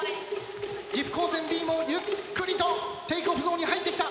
岐阜高専Ｂもゆっくりとテイクオフゾーンに入ってきた。